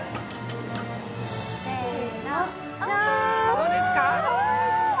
どうですか？